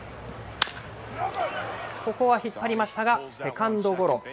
ここは引っ張りましたがセカンドゴロ。